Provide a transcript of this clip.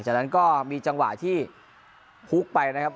จากนั้นก็มีจังหวะที่พุกไปนะครับ